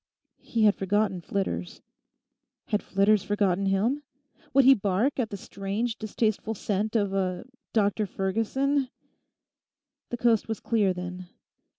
He had forgotten Flitters. Had Flitters forgotten him? Would he bark at the strange, distasteful scent of a—Dr Ferguson? The coast was clear, then.